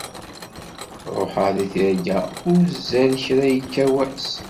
Ruḥeɣ deg tirga uzal kra yekka wass.